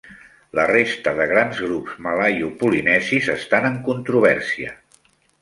La resta de grans grups malaiopolinèsis estan en controvèrsia.